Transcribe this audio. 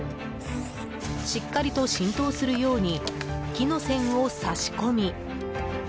しっかりと浸透するように木の栓を差し込み